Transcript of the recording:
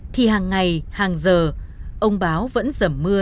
thì hàng ngày hàng giờ ông báo vẫn giẩm mưa